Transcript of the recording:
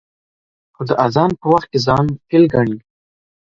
او د اذان په وخت کې ځان فيل گڼي.